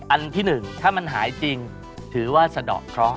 อันที่๑ถ้ามันหายจริงถือว่าสะดอกเคราะห